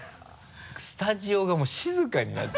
スタジオがもう静かになって。